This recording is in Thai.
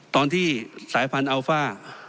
ตอนที่สายพันธุ์อัลฟ่า